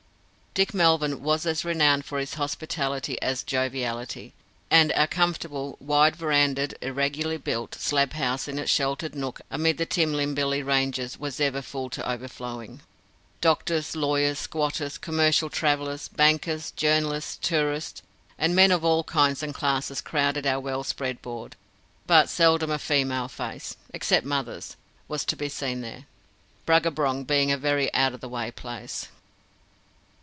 "Dick" Melvyn was as renowned for hospitality as joviality, and our comfortable, wide veranda'ed, irregularly built, slab house in its sheltered nook amid the Timlinbilly Ranges was ever full to overflowing. Doctors, lawyers, squatters, commercial travellers, bankers, journalists, tourists, and men of all kinds and classes crowded our well spread board; but seldom a female face, except mother's, was to be seen there, Bruggabrong being a very out of the way place.